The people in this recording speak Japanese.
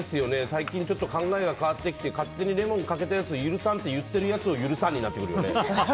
最近ちょっと考えが変わってきて勝手にレモンかけたやつ許さんって言ってるやつを許さねえってなってくるよね。